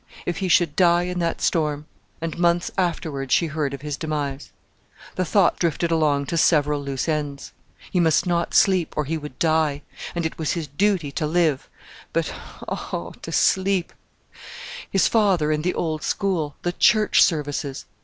If he should die in that storm, and months afterwards she heard of his demise?... The thought drifted along to several loose ends. He must not sleep, or he would die; and it was his duty to live; but oh! to sleep!... His father, and the old school, the church services!